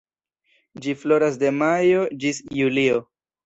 Ĝi floras de majo ĝis julio.